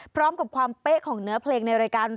พร้อมกับความเป๊ะของเนื้อเพลงในรายการ